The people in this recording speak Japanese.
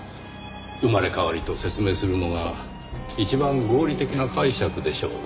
生まれ変わりと説明するのが一番合理的な解釈でしょうかねぇ。